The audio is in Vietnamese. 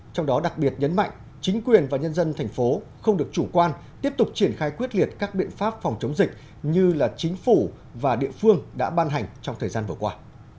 trong đó đặc biệt nhấn mạnh chính quyền và nhân dân thành phố không được chủ quan tiếp tục triển khai quyết liệt các biện pháp phòng chống dịch như chính phủ và địa phương đã ban hành trong thời gian vừa qua